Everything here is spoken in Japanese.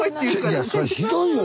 いやそれはひどいよ。